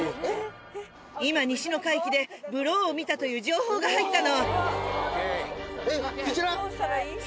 今、西の海域で、ブローを見たという情報が入ったの。